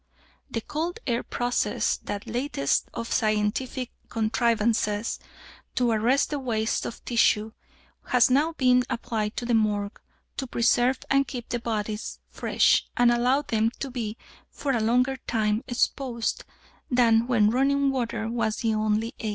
The cold air process, that latest of scientific contrivances to arrest the waste of tissue, has now been applied at the Morgue to preserve and keep the bodies fresh, and allow them to be for a longer time exposed than when running water was the only aid.